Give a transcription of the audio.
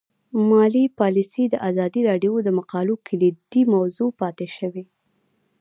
مالي پالیسي د ازادي راډیو د مقالو کلیدي موضوع پاتې شوی.